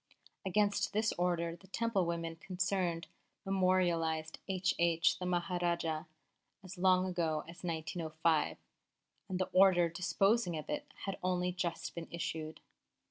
Against this order the Temple women concerned memorialised H.H. the Maharajah as long ago as 1905, and the order disposing of it has only just been issued.